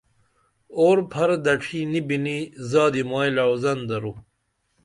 اورو پھر دڇھی نی بِنی زادی مائی لعوزن درو